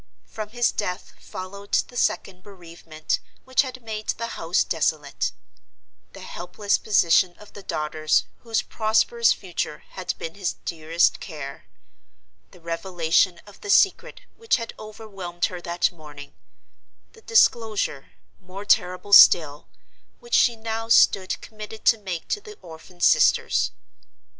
From his death followed the second bereavement which had made the house desolate; the helpless position of the daughters whose prosperous future had been his dearest care; the revelation of the secret which had overwhelmed her that morning; the disclosure, more terrible still, which she now stood committed to make to the orphan sisters.